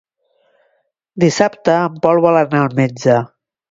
Dissabte en Pol vol anar al metge.